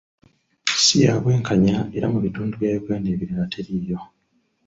Si ya bwenkanya era mu bitundu bya Uganda ebirala teriiyo.